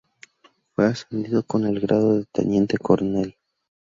Fue ascendido al grado de teniente coronel.